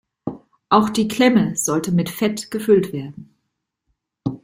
Auch die Klemme sollte mit Fett gefüllt werden.